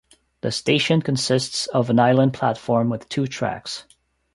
The station consists of an island platform with two tracks.